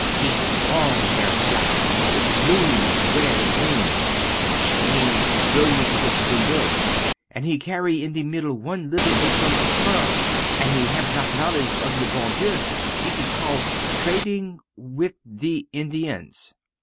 He have long hairs black, with plumes red and green; and chains brilliant suspended, and he carry in the middle one little apron of fur; and he have not knowledge of the bon Dieu. It is call: "trading with the Indians."